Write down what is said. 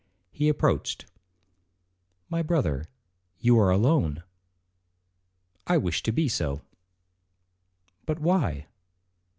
He approached, 'My brother, you are alone.' 'I wish to be so.' 'But why?'